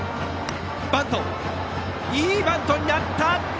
いいバントになった！